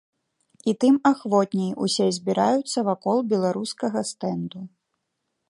І тым ахвотней усе збіраюцца вакол беларускага стэнду.